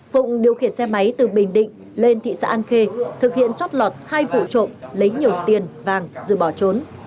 phụng điều khiển xe máy từ bình định lên thị xã an khê thực hiện chót lọt hai vụ trộm lấy nhiều tiền vàng rồi bỏ trốn